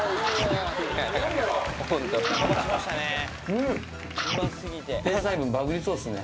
うん。